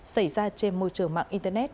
xảy ra trên môi trường mạng internet